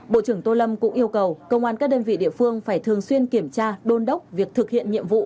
bộ trưởng tô lâm cũng yêu cầu công an các đơn vị địa phương phải thường xuyên kiểm tra đôn đốc việc thực hiện nhiệm vụ